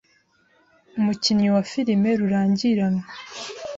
Umukinyi wa filme rurangiranwa